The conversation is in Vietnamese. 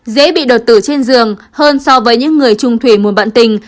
dễ bị đột tử trên giường hơn so với những người trung thủy mùa bận tình